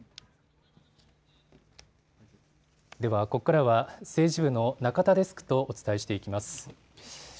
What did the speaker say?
ここからは政治部の中田デスクとお伝えしていきます。